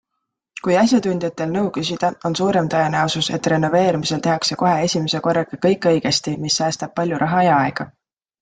Kui asjatundjatel nõu küsida, on suurem tõenäosus, et renoveerimisel tehakse kohe esimese korraga kõik õigesti, mis säästab palju raha ja aega.